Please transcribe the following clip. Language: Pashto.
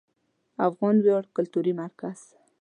افغان ویاړ کلتوري مرکز